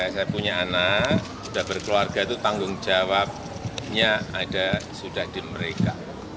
saya punya anak sudah berkeluarga itu tanggung jawabnya ada sudah di mereka